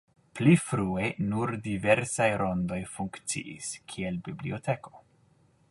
Pli frue nur diversaj rondoj funkciis, kiel biblioteko.